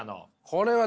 これは。